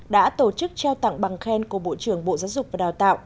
đã tổ chức trao tặng bằng khen của bộ trưởng bộ giáo dục và đào tạo